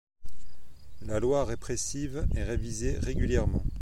La loi répressive est révisée régulièrement.